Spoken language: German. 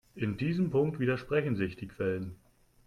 In diesem Punkt widersprechen sich die Quellen.